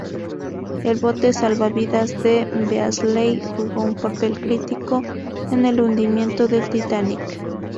El bote salvavidas de Beasley jugó un papel crítico en el hundimiento del Titanic.